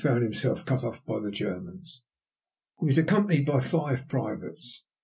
found himself cut off by the Germans. He was accompanied by five privates.